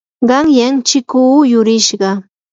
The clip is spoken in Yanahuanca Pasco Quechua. qanyan chikuu yurishqa.